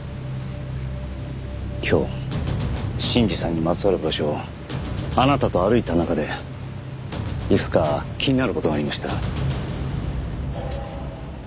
今日信二さんにまつわる場所をあなたと歩いた中でいくつか気になる事がありました。